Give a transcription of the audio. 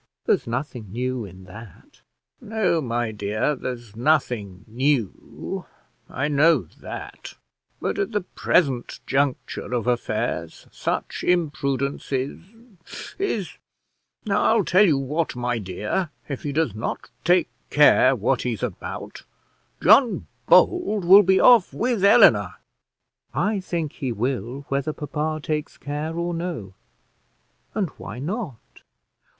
"There's nothing new in that." "No, my dear, there's nothing new; I know that; but, at the present juncture of affairs, such imprudence is is I'll tell you what, my dear, if he does not take care what he's about, John Bold will be off with Eleanor." "I think he will, whether papa takes care or no; and why not?"